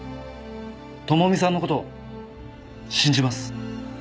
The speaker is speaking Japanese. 朋美さんの事信じます。